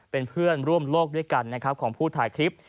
เป็นเพื่อนร่วมโลกด้วยกันนะครับของผู้ถ่ายคลิป